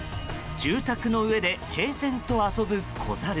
住宅の上で平然と遊ぶ子ザル。